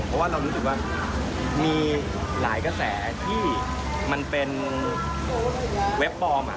เพราะว่าเรารู้สึกว่ามีหลายกระแสที่มันเป็นเว็บปลอม